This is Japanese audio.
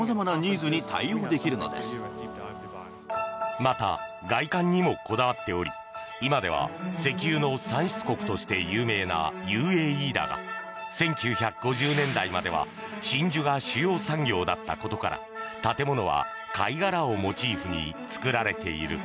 また、外観にもこだわっており今では石油の産出国として有名なＵＡＥだが１９５０年代までは真珠が主要産業だったことから建物は貝殻をモチーフに作られている。